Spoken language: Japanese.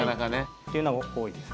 っていうのは多いですね。